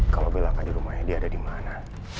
kalau bella gak ada di rumah ini dia ada di mana